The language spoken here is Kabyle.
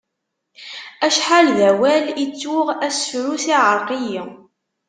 Acḥal d awal i ttuɣ... asefru-s iɛreq-iyi.